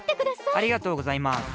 ありがとうございます。